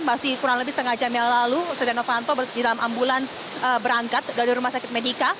masih kurang lebih setengah jam yang lalu setia novanto di dalam ambulans berangkat dari rumah sakit medika